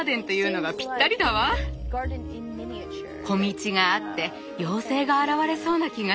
小道があって妖精が現れそうな気がする。